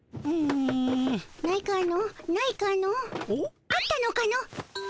おっ？あったのかの？